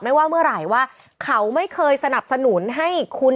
ว่าเมื่อไหร่ว่าเขาไม่เคยสนับสนุนให้คุณ